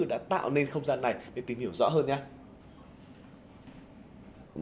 đã tạo nên không gian này để tìm hiểu rõ hơn nhé